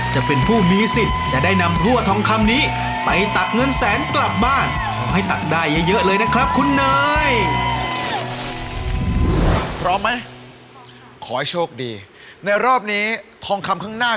จะเป็นพั่วทองคำค่ะเป็นอุปกรณ์อันทรงเกียจนั่นเองนะคะ